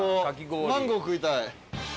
マンゴー食いたい。